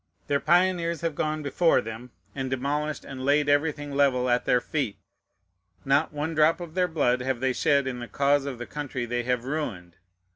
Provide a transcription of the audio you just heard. Their pioneers have gone before them, and demolished and laid everything level at their feet. Not one drop of their blood have they shed in the cause of the country they have ruined.